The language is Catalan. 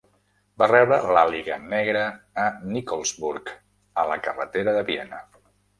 Va rebre l'Àliga Negra a Nikolsburg, a la carretera de Viena.